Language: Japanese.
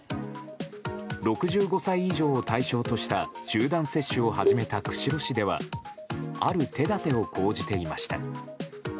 ６５歳以上を対象とした集団接種を始めた釧路市ではある手立てを講じていました。